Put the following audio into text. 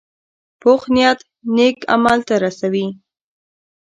پوخ نیت نیک عمل ته رسوي